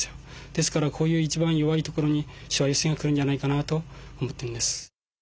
ですからこういう一番弱いところにしわ寄せが来るんじゃないかなと思ってるんです。